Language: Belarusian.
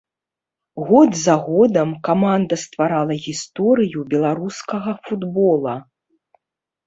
Год за годам каманда стварала гісторыю беларускага футбола.